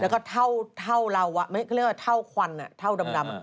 แล้วก็เท่าเราเขาเรียกว่าเท่าควันเท่าดำ